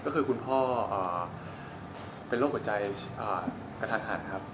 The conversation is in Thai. คือคุณพ่อไปโรคจัยกระทัดหัน